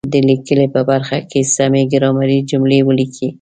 د ولیکئ په برخه کې سمې ګرامري جملې ولیکئ.